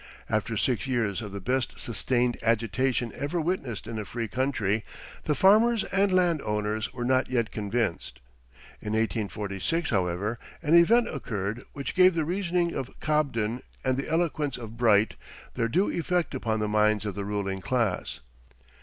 After six years of the best sustained agitation ever witnessed in a free country, the farmers and land owners were not yet convinced. In 1846, however, an event occurred which gave the reasoning of Cobden and the eloquence of Bright their due effect upon the minds of the ruling class.